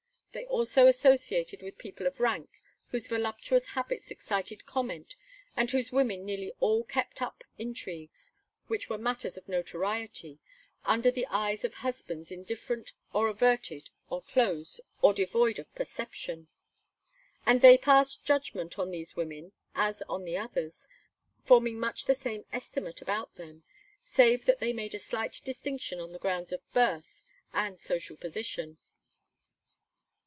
They also associated with people of rank whose voluptuous habits excited comment and whose women nearly all kept up intrigues which were matters of notoriety, under the eyes of husbands indifferent or averted or closed or devoid of perception; and they passed judgment on these women as on the others, forming much the same estimate about them, save that they made a slight distinction on the grounds of birth and social position.